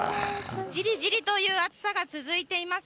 じりじりという暑さが続いています。